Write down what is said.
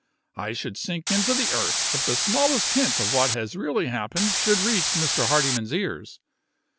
I should sink into the earth if the smallest hint of what has really happened should reach Mr. Hardyman's ears.